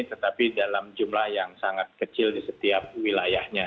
tetapi dalam jumlah yang sangat kecil di setiap wilayahnya